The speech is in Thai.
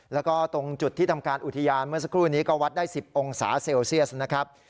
แล้วก็ตรงจุดที่ทำการอุทยานเมื่อสักครู่นี้ก็วัดได้๑๐องศาเซลเซียสนะครับ